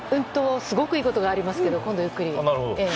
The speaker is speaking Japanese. すごくいいことがありますが今度ゆっくり。